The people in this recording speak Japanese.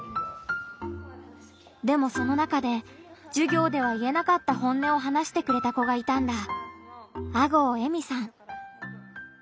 でもその中で授業では言えなかった本音を話してくれた子がいたんだ。